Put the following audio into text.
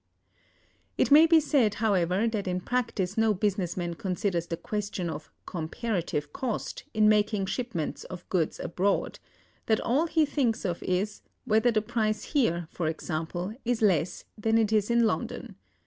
It may be said, however, that in practice no business man considers the question of "comparative cost" in making shipments of goods abroad; that all he thinks of is whether the price here, for example, is less than it is in London.